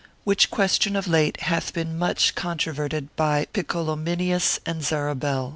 Which question of late hath been much controverted by Picolomineus and Zabarel.